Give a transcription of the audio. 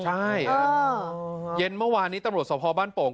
ใช่เย็นเมื่อวานนี้ตำรวจสภบ้านโป่ง